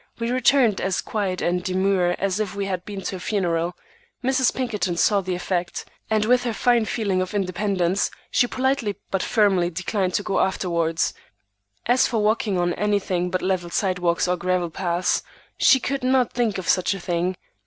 We returned as quiet and demure as if we had been to a funeral. Mrs. Pinkerton saw the effect, and with her fine feeling of independence, she politely but firmly declined to go afterwards. As for walking on anything but level sidewalks or gravel paths, she could not think of such a thing.